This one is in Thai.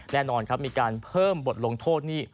แน่นอนครับมีการเพิ่มบทลงโทษนี่